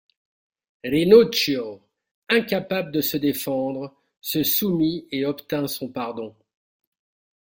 Rinuccio, incapable de se défendre, se soumit et obtint son pardon.